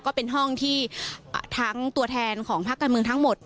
ก็เป็นห้องที่ทั้งตัวแทนของภาคการเมืองทั้งหมด